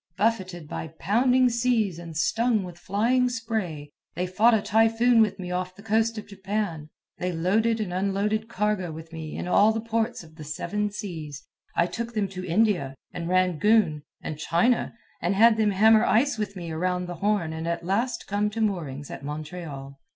Buffeted by pounding seas and stung with flying spray, they fought a typhoon with me off the coast of Japan. They loaded and unloaded cargo with me in all the ports of the Seven Seas. I took them to India, and Rangoon, and China, and had them hammer ice with me around the Horn and at last come to moorings at Montreal.